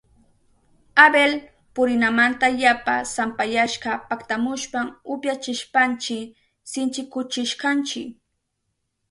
Abel purinamanta yapa sampayashka paktamushpan upyachishpanchi sinchikuchishkanchi.